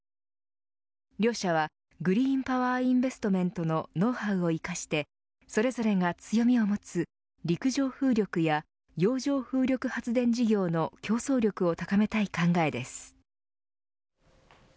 両社はグリーンパワーインベストメントのノウハウを生かしてそれぞれが強みを持つ陸上風力や洋上風力発電事業の競争力を高めたい考えです。